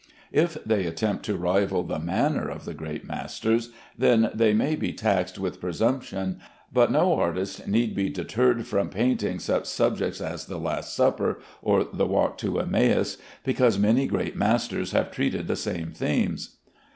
If they attempt to rival the manner of the great masters, then they may be taxed with presumption, but no artist need be deterred from painting such subjects as the "Last Supper," or the "Walk to Emmaus," because many great masters have treated the same themes.